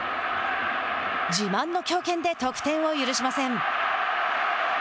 自慢の強肩で得点を許しません。